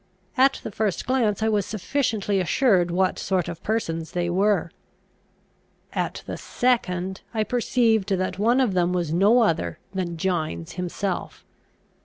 At the first glance I was sufficiently assured what sort of persons they were. At the second, I perceived that one of them was no other than Gines himself.